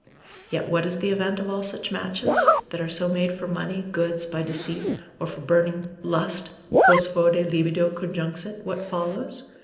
Yet what is the event of all such matches, that are so made for money, goods, by deceit, or for burning lust, quos foeda libido conjunxit, what follows?